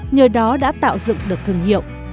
nhờ đó đã tạo dựng được thương hiệu